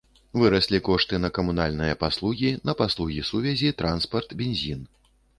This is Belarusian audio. Выраслі кошты на камунальныя паслугі, на паслугі сувязі, транспарт, бензін.